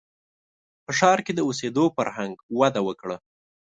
• په ښار کې د اوسېدو فرهنګ وده وکړه.